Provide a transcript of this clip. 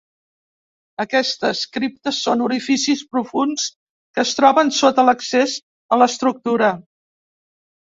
Aquestes criptes són orificis profunds que es troben sota l'accés a l'estructura.